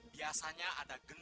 biasanya ada geng geng